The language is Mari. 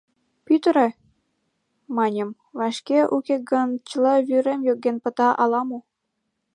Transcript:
— Пӱтырӧ, маньым, вашке, уке гын чыла вӱрем йоген пыта ала-мо?..